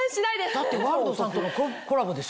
だってワールドさんとのコラボでしょ？